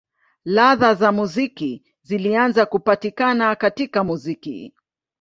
Ladha za muziki zilianza kupatikana katika muziki.